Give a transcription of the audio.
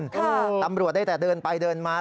ตำรวจได้แต่เดินไปเดินมา